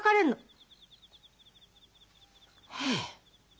へえ。